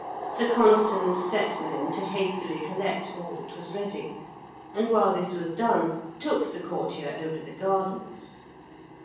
Sir Constans set men to hastily collect all that was ready, and while this was done took the courtier over the gardens.